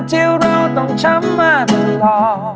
ที่เราต้องช้ำมาตลอด